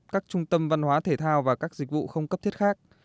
các trung tâm văn hóa thể thao và các dịch vụ không cấp thiết khác